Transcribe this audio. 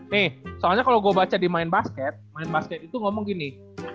nih soalnya kalau gue baca di main basket main basket itu ngomong gini